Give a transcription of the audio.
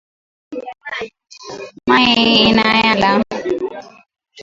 Mayi ina yala